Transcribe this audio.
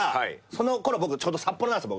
そのころ僕ちょうど札幌なんす